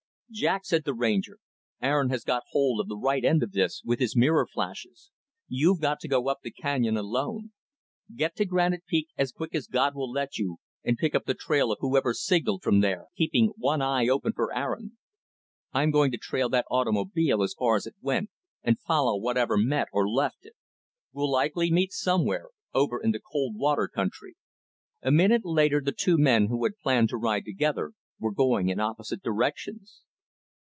"Jack," said the Ranger, "Aaron has got hold of the right end of this, with his mirror flashes. You've got to go up the canyon alone. Get to Granite Peak as quick as God will let you, and pick up the trail of whoever signalled from there; keeping one eye open for Aaron. I'm going to trail that automobile as far as it went, and follow whatever met or left it. We'll likely meet somewhere, over in the Cold Water country." A minute later the two men who had planned to ride together were going in opposite directions.